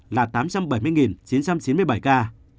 là tám trăm bảy mươi chín trăm chín mươi bảy ca